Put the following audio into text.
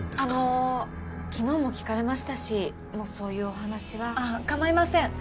あの昨日も聞かれましたしもうそういうお話はあっ構いません